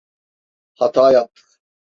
Hata yaptık.